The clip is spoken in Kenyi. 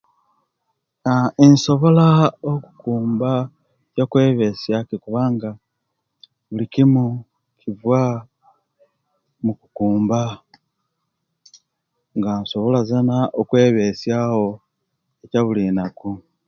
Aah insobola okukumba ebyekwebesia kwe kubanga bulikimu kiva mukukamba nga nsobola zena okwebesia wo ekyobuli naku